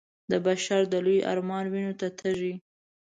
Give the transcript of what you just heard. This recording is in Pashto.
د بشر د لوی ارمان وينو ته تږی